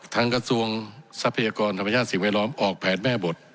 กระทรวงทรัพยากรธรรมชาติสิ่งแวดล้อมออกแผนแม่บท